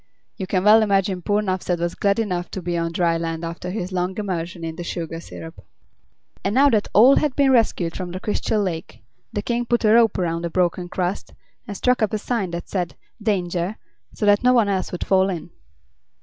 You can well imagine poor Nuphsed was glad enough to be on dry land after his long immersion in the sugar syrup. And now that all had been rescued from the Crystal Lake, the King put a rope around the broken crust and stuck up a sign that said "Danger!" so that no one else would fall in.